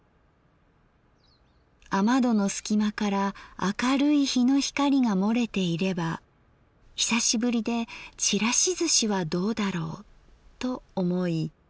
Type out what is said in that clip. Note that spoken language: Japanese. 雨戸の隙間から明るい陽の光が洩れていれば久しぶりでちらしずしはどうだろうと思い